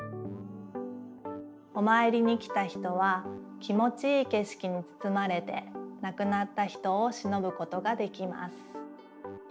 おまいりに来た人は気もちいいけしきにつつまれて亡くなった人をしのぶことができます。